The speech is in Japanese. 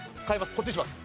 こっちにします。